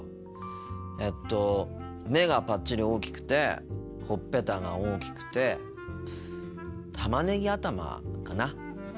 えっと目がぱっちり大きくてほっぺたが大きくてたまねぎ頭かな？